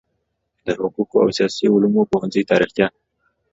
د حقوقو او سیاسي علومو پوهنځي تاریخچه